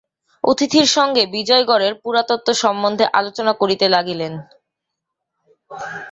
অতিথির সঙ্গে বিজয়গড়ের পুরাতত্ত্ব সম্বন্ধে আলোচনা করিতে লাগিলেন।